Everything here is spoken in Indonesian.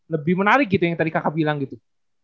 lebih menarik gitu yang tadi kakak bilang gitu